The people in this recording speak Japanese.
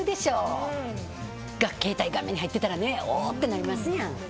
それが携帯画面に入っていたらおー！ってなりますやん。